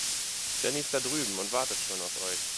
Jenny ist da drüben und wartet schon auf euch.